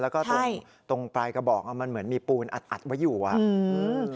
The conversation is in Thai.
แล้วก็ตรงตรงปลายกระบอกอ่ะมันเหมือนมีปูนอัดอัดไว้อยู่อ่ะอืม